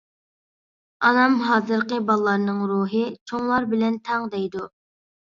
ئانام «ھازىرقى بالىلارنىڭ روھى چوڭلار بىلەن تەڭ» دەيدۇ.